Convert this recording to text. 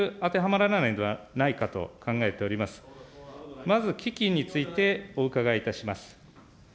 まず基金についてお伺いいたします。